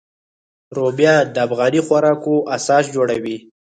رومیان د افغاني خوراکو اساس جوړوي